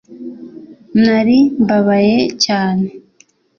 Nari mbabaye cyane